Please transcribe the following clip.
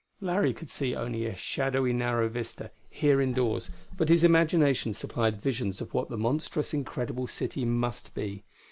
Larry could see only a shadowy narrow vista, here indoors, but his imagination supplied visions of what the monstrous, incredible city must be.